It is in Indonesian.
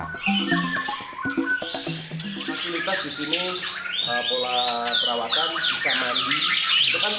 fasilitas di sini pola perawatan bisa mandi